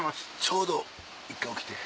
ちょうど１回起きて。